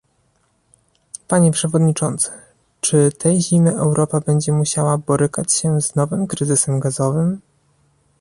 Panie przewodniczący, czy tej zimy Europa będzie musiała borykać się z nowym kryzysem gazowym?